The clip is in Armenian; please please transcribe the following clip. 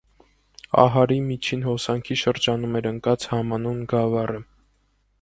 Ահարի միջին հոսանքի շրջանում էր ընկած համանուն գավառը։